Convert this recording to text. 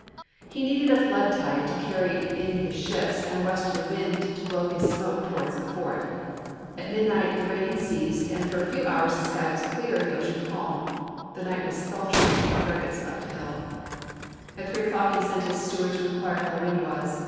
He needed a flood tide to carry in his ships and a westerly wind to blow his smoke towards the fort. At midnight the rain ceased and for a few hours the sky was clear and the ocean calm. The night was sultry and Farragut slept ill ; at three o'clock he sent his steward to inquire how the wind was.